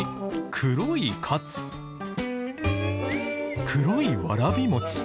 黒いわらび餅。